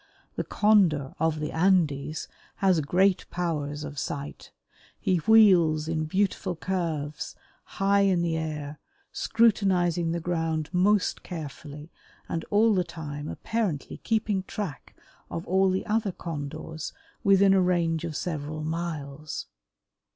The Condor of the Andes has great powers of sight. He wheels in beautiful curves high in the air scrutinizing the ground most carefully and all the time apparently keeping track of all the other Condors within a range of several miles.